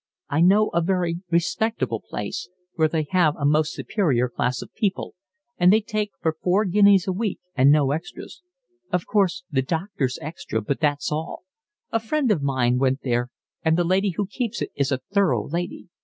I know a very respectable place, where they have a most superior class of people, and they take you for four guineas a week and no extras. Of course the doctor's extra, but that's all. A friend of mine went there, and the lady who keeps it is a thorough lady.